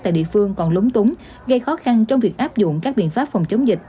tại địa phương còn lúng túng gây khó khăn trong việc áp dụng các biện pháp phòng chống dịch